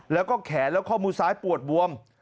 แล้วก็แขนและข้อมือซ้ายปวดบวม